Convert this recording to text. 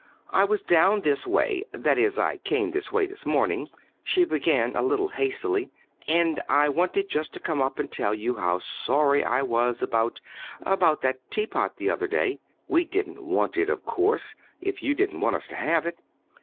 "I was down this way that is, I came this way this morning," she began a little hastily; "and I wanted just to come up and tell you how sorry I was about about that teapot the other day. We didn't want it, of course if you didn't want us to have it."